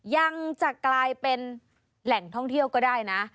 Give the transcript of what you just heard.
ยังจะกลายเป็นแหล่งท่องเที่ยวก็ได้นะ